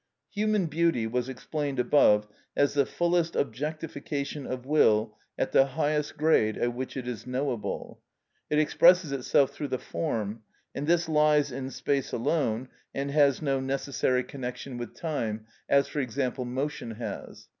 Human beauty was explained above as the fullest objectification of will at the highest grade at which it is knowable. It expresses itself through the form; and this lies in space alone, and has no necessary connection with time, as, for example, motion has.